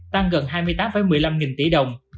tăng gần hai mươi tám một mươi năm nghìn tỷ đồng